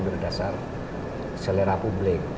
berdasar selera publik